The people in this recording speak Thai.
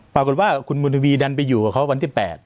ภาพบทคุณบุญธวีดันไปอยู่กับเขาวันที่๘